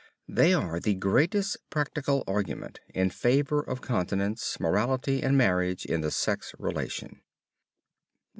They are the greatest practical argument in favor of continence, morality and marriage in the sex relation.